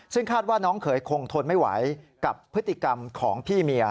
ซึ่งคาดว่าน้องเขยคงทนไม่ไหวกับพฤติกรรมของพี่เมีย